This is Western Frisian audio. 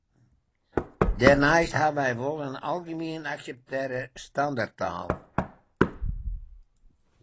Dêrneist ha wy wol in algemien akseptearre standerttaal.